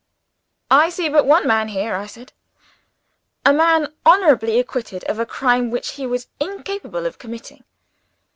"I see but one man here," I said. "A man honorably acquitted of a crime which he was incapable of committing.